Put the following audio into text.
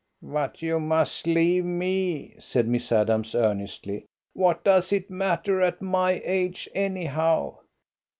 "But you must leave me," said Miss Adams earnestly. "What does it matter at my age, anyhow?"